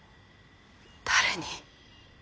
誰に？